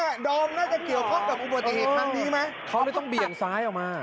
พร้อมน่าจะเกี่ยวข้องกับอุปสรรคทั้งนี้ไหม